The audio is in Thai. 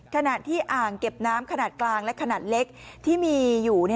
ขณะที่อ่างเก็บน้ำขนาดกลางและขนาดเล็กที่มีอยู่